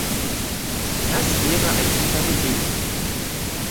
Das wäre ein guter Beginn.